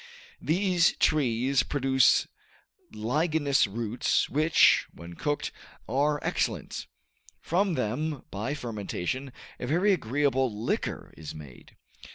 These trees produce ligneous roots which, when cooked, are excellent; from them, by fermentation, a very agreeable liquor is made.